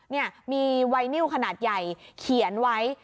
นี่มีไวนิวขนาดใหญ่เขียนไว้